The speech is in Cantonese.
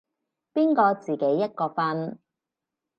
邊個自己一個瞓